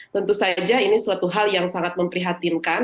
tentu saja ini suatu hal yang sangat memprihatinkan